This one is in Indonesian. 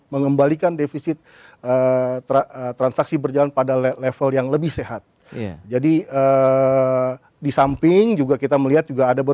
mengembalikan defisit transaksi berjalan pada level yang lebih sehat jadi di samping juga kita melihat juga ada